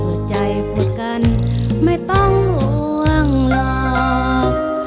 อดใจพูดกันไม่ต้องล่วงหรอก